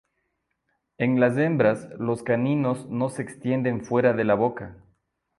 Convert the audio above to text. En las hembras los caninos no se extienden fuera de la boca.